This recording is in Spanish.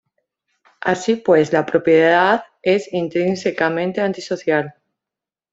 Así pues, la propiedad es intrínsecamente antisocial.